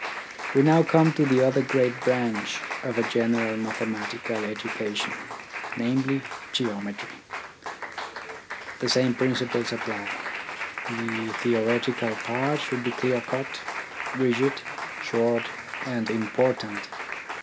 ^Yc now come to the other great branch of a THE AIMS OF EDUCATION 21 general mathematical education, namely Geo metry. The same principles apply. The theo retical part should be clear cut, rigid, short, and important.